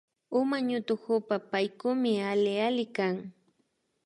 Uma ñutukupa Paykukmi alli alli kan